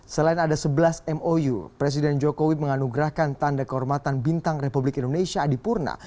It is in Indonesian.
selain ada sebelas mou presiden jokowi menganugerahkan tanda kehormatan bintang republik indonesia adipurna